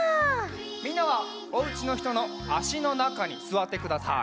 みんなはおうちのひとのあしのなかにすわってください。